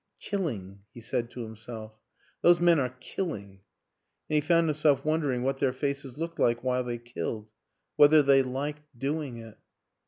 " Killing," he said to himself; " those men are killing! " And he found himself wondering what their faces looked like while they killed? Whether they liked doing it?